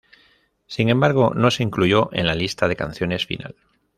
Sin embargo, no se incluyó en la lista de canciones final.